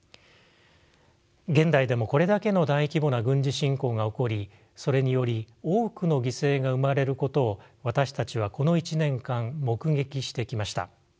現代でもこれだけの大規模な軍事侵攻が起こりそれにより多くの犠牲が生まれることを私たちはこの１年間目撃してきました。